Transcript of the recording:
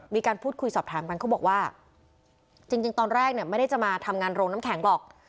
มีการพูดคุยสอบถามกันเขาบอกว่าจริงตอนแรกเนี่ยไม่ได้จะมาทำงานโรงน้ำแข็งหรอก